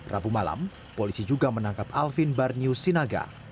rabu malam polisi juga menangkap alvin barnius sinaga